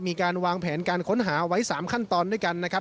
มีการวางแผนการค้นหาไว้๓ขั้นตอนด้วยกันนะครับ